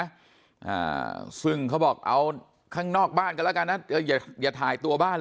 อ่าซึ่งเขาบอกเอาข้างนอกบ้านกันแล้วกันนะอย่าอย่าถ่ายตัวบ้าน